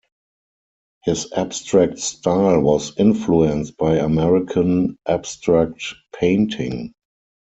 His abstract style was influenced by American abstract painting.